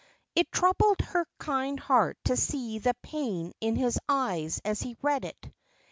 It troubled her kind heart to see the pain in his eyes as he read it.